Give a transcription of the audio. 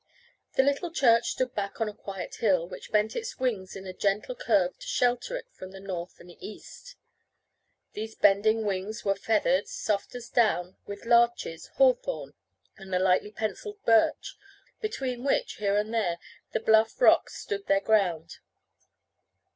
The little church stood back on a quiet hill, which bent its wings in a gentle curve to shelter it from the north and east. These bending wings were feathered, soft as down, with, larches, hawthorn, and the lightly pencilled birch, between which, here and there, the bluff rocks stood their ground.